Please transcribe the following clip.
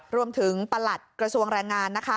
ประหลัดกระทรวงแรงงานนะคะ